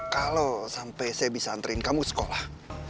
kalau sampai saya bisa anterin kamu ke sekolah